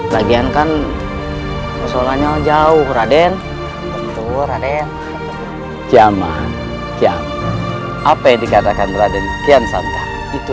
bagian kan soalnya jauh raden waktu raden kiamat kiamat apa yang dikatakan raden kian santai itu